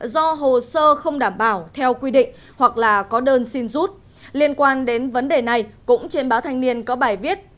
do hồ sơ không đảm bảo theo quy định hoặc là có đơn xin rút liên quan đến vấn đề này cũng trên báo thanh niên có bài viết